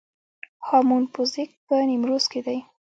هامون پوزک په نیمروز کې دی